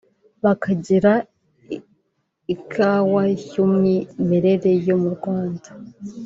bakagira n’Ikawa y’umwimerere yo mu Rwanda